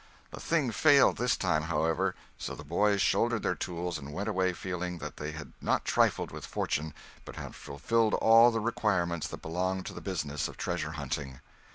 The thing failed this time, however, so the boys shouldered their tools and went away feeling that they had not trifled with fortune, but had fulfilled all the requirements that belong to the business of treasure hunting.